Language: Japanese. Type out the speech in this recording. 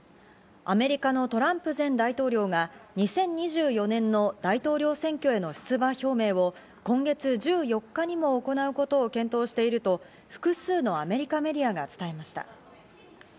アメリカのトランプ前大統領が２０２４年の大統領選挙への出馬表明を今月１４日にも行うことを検討していると複数のアメリカメディアが伝えました。